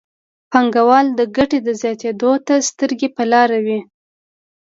پانګوال د ګټې زیاتېدو ته سترګې په لاره وي.